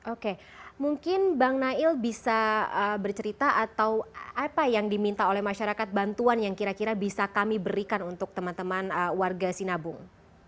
oke mungkin bang nail bisa bercerita atau apa yang diminta oleh masyarakat bantuan yang kira kira bisa kami berikan untuk teman teman warga sinabung